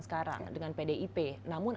sekarang dengan pdip namun